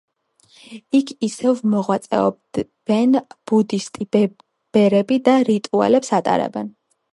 იქ ისევ მოღვაწეობენ ბუდისტი ბერები და რიტუალებს ატარებენ.